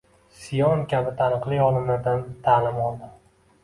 Sion kabi taniqli olimlardan ta’lim oldi